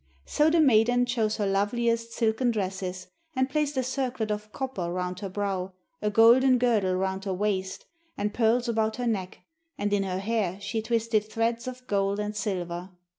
So the maiden chose her loveliest silken dresses, and placed a circlet of copper round her brow, a golden girdle round her waist, and pearls about her neck, and in her hair she twisted threads of gold and silver.